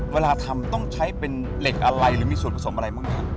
เวลาทำต้องใช้เป็นเหล็กอะไรหรือมีส่วนผสมอะไรบ้างครับ